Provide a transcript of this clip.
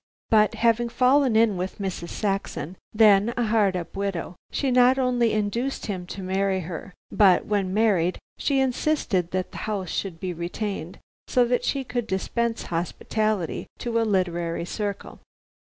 But having fallen in with Mrs. Saxon, then a hard up widow, she not only induced him to marry her, but, when married, she insisted that the house should be retained, so that she could dispense hospitality to a literary circle.